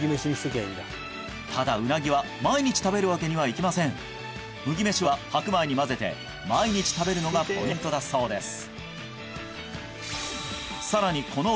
ただウナギは毎日食べるわけにはいきません麦飯は白米に混ぜて毎日食べるのがポイントだそうです